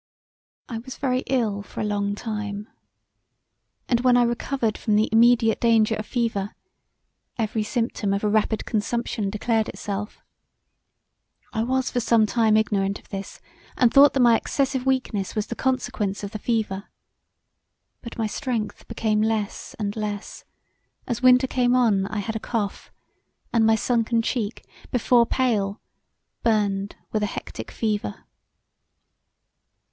I was very ill for a long time, and when I recovered from the immediate danger of fever, every symptom of a rapid consumption declared itself. I was for some time ignorant of this and thought that my excessive weakness was the consequence of the fever; But my strength became less and less; as winter came on I had a cough; and my sunken cheek, before pale, burned with a hectic fever.